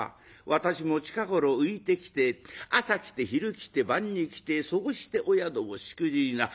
私も近頃浮いてきて朝来て昼来て晩に来てそうしてお宿をしくじりな。